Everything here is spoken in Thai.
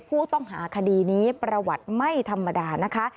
ผู้ต้องหาคดีนี้ประวัติไม่ธรรมดานะคะ